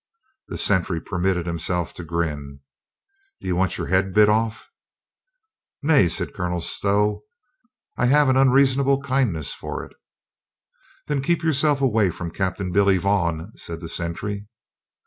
The sentry permitted himself to grin. "Do 'e want your head bit off?" "Nay," said Colonel Stow, "I have an unreason able kindness for it." "Then keep yourself away from Captain Billy Vaughan," said the sentry.